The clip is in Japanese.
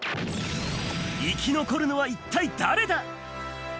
生き残るのは一体誰だ？